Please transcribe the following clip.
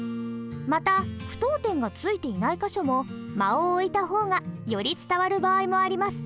また句読点がついていない箇所も間を置いた方がより伝わる場合もあります。